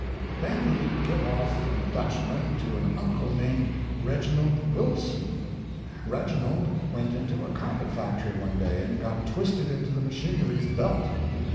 Then he'd get off from the Dutchman to an uncle named Reginald Wilson. Reginald went into a carpet factory one day, and got twisted into the machinery's belt.